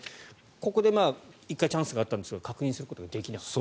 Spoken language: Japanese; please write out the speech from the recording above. ここで１回チャンスがあったんですが確認することができなかった。